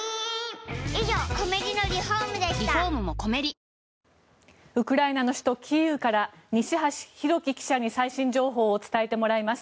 東京海上日動ウクライナの首都キーウから西橋拓輝記者に最新情報を伝えてもらいます。